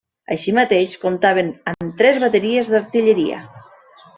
Així mateix comptaven amb tres bateries d'artilleria.